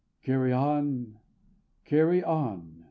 Carry on! Carry on!